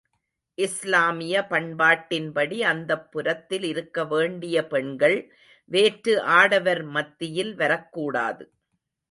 இஸ்லாமிய பண்பாட்டின்படி அந்தப்புரத்தில் இருக்க வேண்டிய பெண்கள் வேற்று ஆடவர் மத்தியில் வரக்கூடாது.